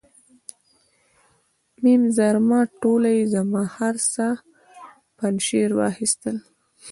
میم زرما ټوله یې زما، هر څه پنجشیر واخیستل.